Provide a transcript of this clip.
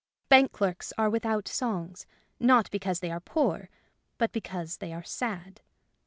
Bank clerks are without songs, not because they are poor, but because they are sad.